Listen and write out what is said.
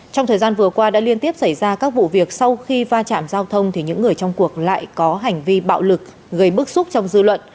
trong thời gian vừa qua đã liên tiếp xảy ra các vụ việc sau khi va chạm giao thông thì những người trong cuộc lại có hành vi bạo lực gây bức xúc trong dư luận